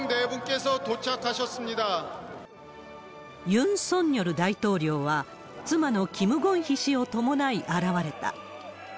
ユン・ソンニョル大統領は、妻のキム・ゴンヒ氏を伴い現れた。